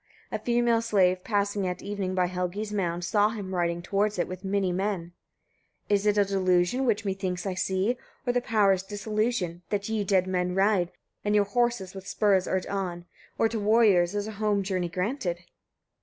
A female slave passing at evening by Helgi's mound, saw him riding towards it with many men: 38. Is it a delusion which methinks I see, or the powers' dissolution, that ye, dead men, ride, and your horses with spurs urge on, or to warriors is a home journey granted?